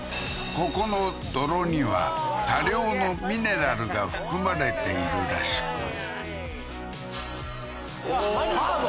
ここの泥には多量のミネラルが含まれているらしく歯も？